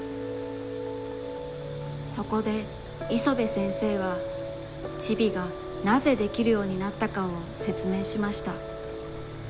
そこでいそべ先生は、ちびがなぜできるようになったかをせつめいしました。